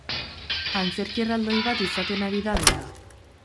Antzerki erraldoi bat izaten ari da dena.